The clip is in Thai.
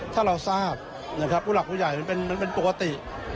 ถ้าเราทราบมือหลักบ่อยายมันเป็นปกติ